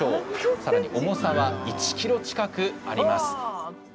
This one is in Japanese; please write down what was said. さらに重さは１ｋｇ近くあります。